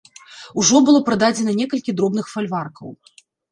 Ужо было прададзена некалькі дробных фальваркаў.